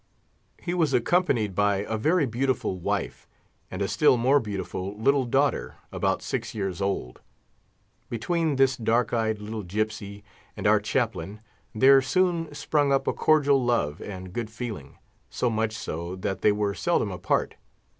He was accompanied by a very beautiful wife, and a still more beautiful little daughter, about six years old. Between this dark eyed little gipsy and our chaplain there soon sprung up a cordial love and good feeling, so much so, that they were seldom apart.